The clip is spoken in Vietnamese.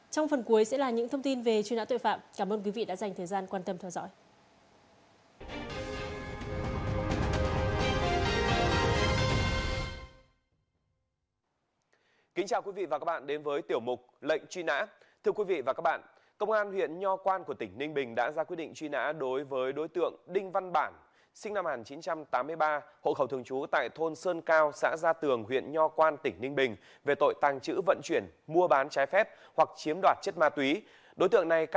trong phần cuối sẽ là những thông tin về chuyên án tội phạm cảm ơn quý vị đã dành thời gian quan tâm theo dõi